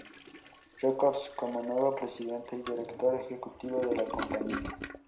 Records, como nuevo Presidente y Director Ejecutivo de la compañía.